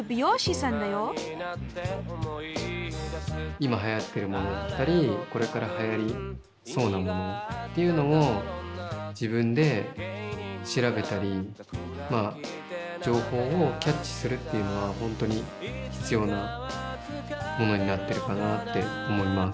今はやってるものだったりこれからはやりそうなものっていうのを自分で調べたりまあ情報をキャッチするっていうのは本当に必要なものになってるかなって思います。